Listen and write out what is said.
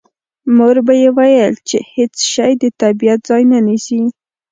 مور به یې ویل چې هېڅ شی د طبیعت ځای نه نیسي